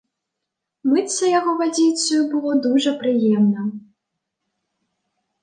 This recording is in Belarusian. Мыцца яго вадзіцаю было дужа прыемна.